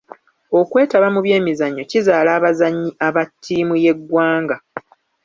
Okwetaba mu by'emizannyo kizaala abazannyi aba ttiimu y'eggwanga.